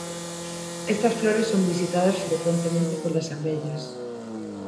Estas flores son visitadas frecuentemente polas abellas.